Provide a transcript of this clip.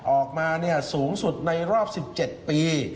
ออกมาสูงสุดในรอบ๑๗ปี